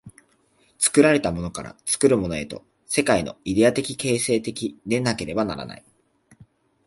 作られたものから作るものへと、世界はイデヤ的形成的でなければならない。